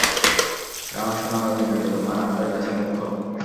কারণ সুনাম এবং গুণগত মান আমাদের কাছে মূখ্য।